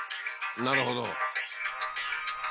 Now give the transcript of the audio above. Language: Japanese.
なるほど。